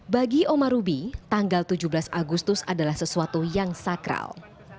bagi oma rubi tanggal tujuh belas agustus adalah sesuatu yang sakral